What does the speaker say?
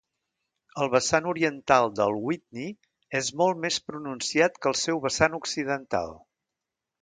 El vessant oriental del Whitney és molt més pronunciat que el seu vessant occidental.